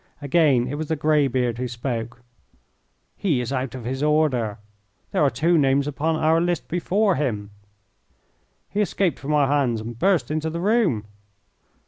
Again it was the grey beard who spoke. "He is out of his order. There are two names upon our list before him." "He escaped from our hands and burst into the room."